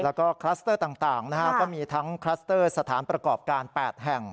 แล้วก็คลัสเตอร์ต่างก็มีทั้งคลัสเตอร์สถานประกอบการ๘แห่ง